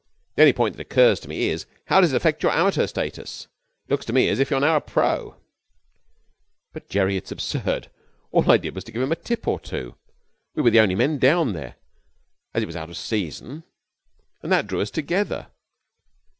The only point that occurs to me is, how does it affect your amateur status? It looks to me as if you were now a pro.' 'But, Jerry, it's absurd. All I did was to give him a tip or two. We were the only men down there, as it was out of the season, and that drew us together.